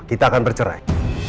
kita akan bercerai